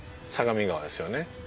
相模川ですよね。